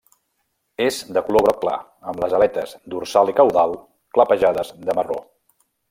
És de color groc clar amb les aletes dorsal i caudal clapejades de marró.